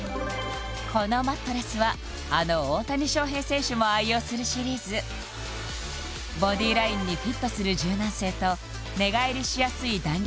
このマットレスはあの大谷翔平選手も愛用するシリーズボディーラインにフィットする柔軟性と寝返りしやすい弾力性で